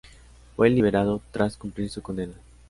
Fue liberado tras cumplir su condena.